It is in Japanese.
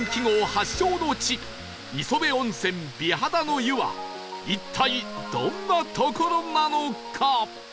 発祥の地磯部温泉美肌の湯は一体どんな所なのか？